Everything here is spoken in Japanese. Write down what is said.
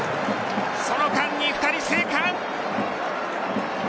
その間に２人生還。